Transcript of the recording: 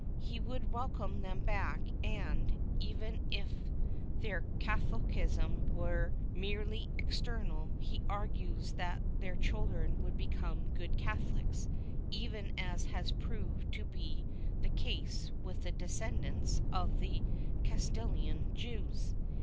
He would welcome them back and, even if their Catholicism were merely external, he argues that their children would become good Catholics, even as has proved to be the case with the descendants of the Castilian Jews.